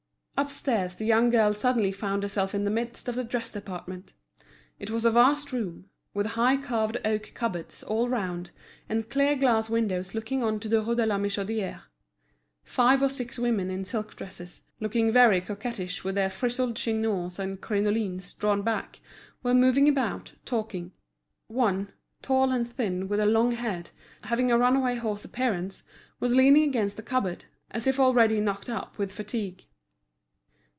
Upstairs the young girl suddenly found herself in the midst of the dress department. It was a vast room, with high carved oak cupboards all round, and clear glass windows looking on to the Rue de la Michodière. Five or six women in silk dresses, looking very coquettish with their frizzed chignons and crinolines drawn back, were moving about, talking. One, tall and thin, with a long head, having a runaway horse appearance, was leaning against a cupboard, as if already knocked up with fatigue.